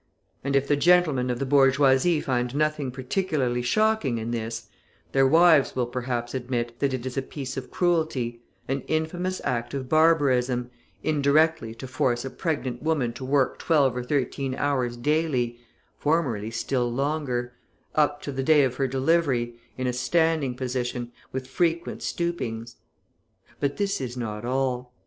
And if the gentlemen of the bourgeoisie find nothing particularly shocking in this, their wives will perhaps admit that it is a piece of cruelty, an infamous act of barbarism, indirectly to force a pregnant woman to work twelve or thirteen hours daily (formerly still longer), up to the day of her delivery, in a standing position, with frequent stoopings. But this is not all.